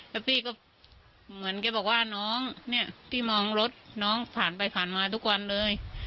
แล้วพี่ก็เหมือนแกบอกว่าน้องเนี่ยพี่มองรถน้องผ่านไปผ่านมาทุกวันเลย